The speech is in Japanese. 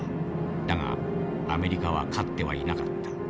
だがアメリカは勝ってはいなかった。